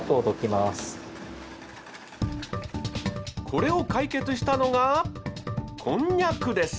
これを解決したのがこんにゃくです。